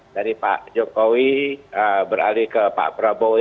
dari pak jokowi beralih ke pak prabowo